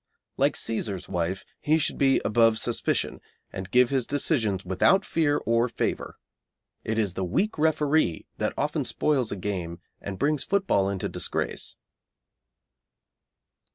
Like Cæsar's wife, he should be above suspicion, and give his decisions without fear or favour. It is the weak referee that often spoils a game and brings football into disgrace.